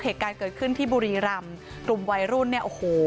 เหตุการณ์เกิดขึ้นที่บุรีรำกลุ่มวัยรุ่นเนี่ยโอ้โห